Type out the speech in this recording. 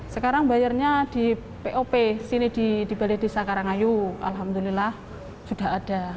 sekarang bayarnya di pop sini di balai desa karangayu alhamdulillah sudah ada